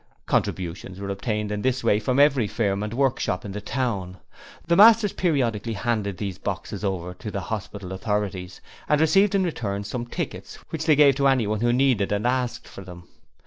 Contributions were obtained in this way from every firm and workshop in the town. The masters periodically handed these boxes over to the hospital authorities and received in return some tickets which they gave to anyone who needed and asked for them.